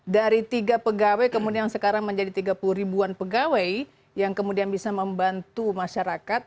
dari tiga pegawai kemudian sekarang menjadi tiga puluh ribuan pegawai yang kemudian bisa membantu masyarakat